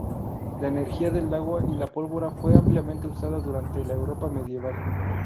La energía del agua y la pólvora fue ampliamente usada durante la Europa Medieval.